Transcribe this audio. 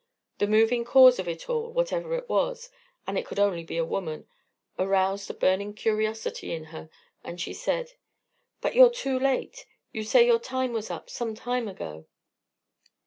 The moving cause of it all, whatever it was and it could only be a woman aroused a burning curiosity in her, and she said: "But you're too late. You say your time was up some time ago."